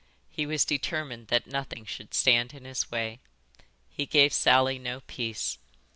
He was determined that nothing should stand in his way. He gave Sally no peace.